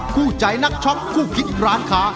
คู่ใจนักช็อปคู่คิดร้านค้า